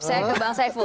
saya ke bang saiful